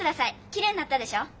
きれいになったでしょ？